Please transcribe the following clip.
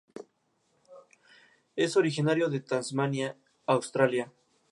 Es originario de Tasmania, Australia.